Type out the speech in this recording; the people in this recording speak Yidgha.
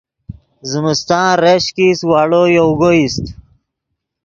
زمستان ریشک ایست واڑو یوگو ایست